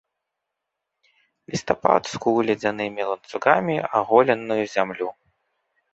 Лістапад скуў ледзянымі ланцугамі аголеную зямлю.